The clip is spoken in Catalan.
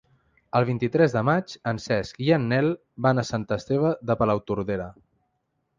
El vint-i-tres de maig en Cesc i en Nel van a Sant Esteve de Palautordera.